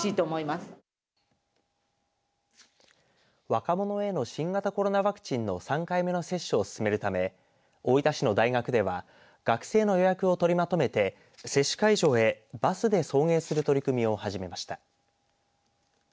若者への新型コロナワクチンの３回目の接種を進めるため大分市の大学では学生の予約を取りまとめて接種会場へバスで送迎する取り組みを始めました。